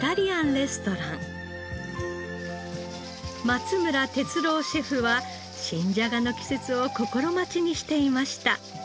松村哲朗シェフは新じゃがの季節を心待ちにしていました。